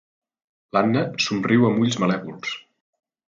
L'Anna somriu amb ulls malèvols.